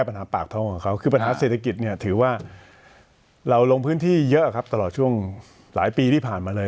ประแยบปากเทาของเขาก็คือของปัญหาเศรษฐกิจถือว่าเราหลงพื้นที่เยอะครับประมาณหลายปีที่ผ่านมาเลย